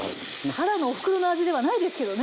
ただのおふくろの味ではないですけどね。